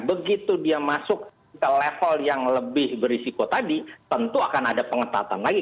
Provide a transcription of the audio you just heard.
begitu dia masuk ke level yang lebih berisiko tadi tentu akan ada pengetatan lagi